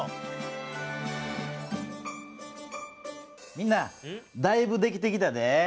みんな！だいぶできてきたでぇ。